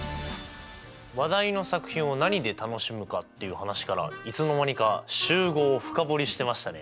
話題の作品を何で楽しむか？っていう話からいつの間にか集合を深掘りしてましたね。